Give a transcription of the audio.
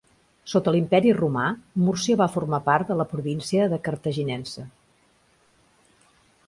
Sota l'Imperi Romà, Múrcia va formar part de la província de Cartaginense.